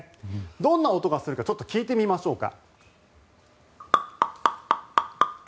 どんな音がするかちょっと聞いてみましょうか。